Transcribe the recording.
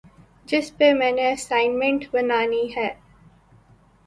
جس پہ میں نے اسائنمنٹ بنانی ہے